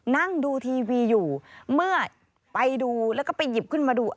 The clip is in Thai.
นั่งดูทีวีอยู่เมื่อไปดูแล้วก็ไปหยิบขึ้นมาดู